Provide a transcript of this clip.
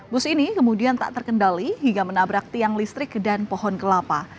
bus ini kemudian tak terkendali hingga menabrak tiang listrik dan pohon kelapa